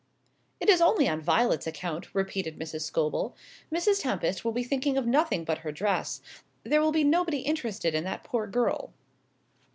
"It is only on Violet's account," repeated Mrs. Scobel. "Mrs. Tempest will be thinking of nothing but her dress; there will be nobody interested in that poor girl."